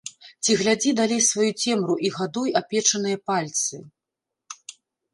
Ці глядзі далей сваю цемру і гадуй апечаныя пальцы.